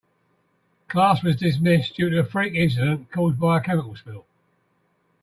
Class was dismissed due to a freak incident caused by a chemical spill.